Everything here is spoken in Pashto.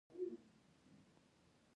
لنګوټه د پښتانه عزت دی.